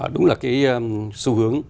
đúng là cái xu hướng